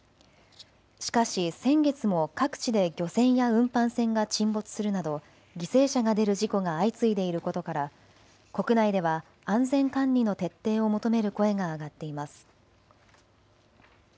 しかし先月も各地で漁船や運搬船が沈没するなど犠牲者が出る事故が相次いでいることから国内では安全管理の徹底を求める声が上がっています。